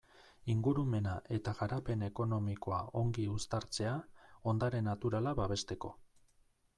Ingurumena eta garapen ekonomikoa ongi uztatzea, ondare naturala babesteko.